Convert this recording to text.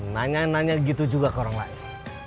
nanya nanya gitu juga ke orang lain